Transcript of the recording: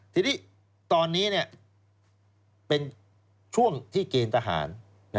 ทีนี้ตอนนี้เป็นช่วงที่เกณฑ์ทหาร